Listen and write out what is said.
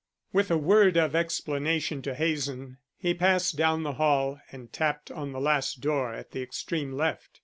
With a word of explanation to Hazen, he passed down the hall and tapped on the last door at the extreme left.